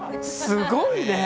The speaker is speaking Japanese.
すごいね。